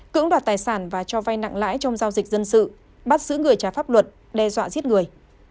cưỡng đoạt tài sản và cho vay nặng lãi trong giao dịch dân sự bắt giữ người trái pháp luật đe dọa giết người